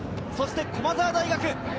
そして駒澤大学。